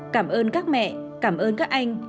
cảm ơn các mẹ cảm ơn các anh